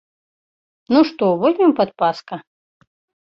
Ну што, возьмем падпаска?